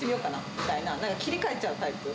みたいな、なんか切り替えちゃうタイプ。